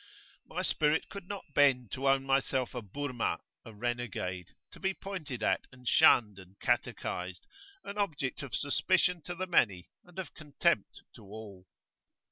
My spirit could not bend to own myself a Burma,[FN#9] a renegade to be pointed at and shunned and catechised, an object of suspicion to the many and of contempt to all.